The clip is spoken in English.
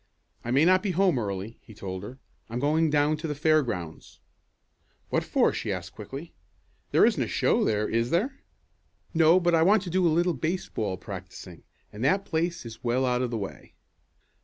"I may not be home early," he told her. "I'm going down to the fairgrounds." "What for?" she asked quickly. "There isn't a show there, is there?" "No, but I want to do a little baseball practicing, and that place is well out of the way."